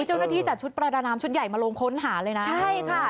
เจ้าหน้าที่จัดชุดประดาน้ำชุดใหญ่มาลงค้นหาเลยนะใช่ค่ะ